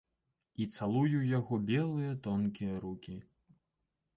І цалую яго белыя тонкія рукі.